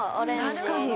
確かに。